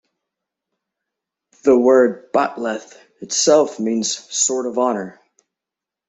The word "bat'leth," itself, means "Sword of Honor.